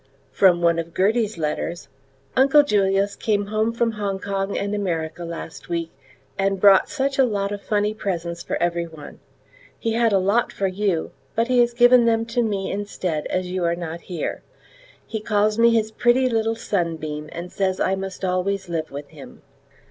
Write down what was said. From one of Gertie's letters: Uncle Julius came home from Hong Kong and America last week, and brought such a lot of funny presents for every one. He had a lot for you, but he has given them to me instead as you are not here. He calls me his pretty little sunbeam, and says I must always live with him.